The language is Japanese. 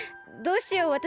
どうしよう。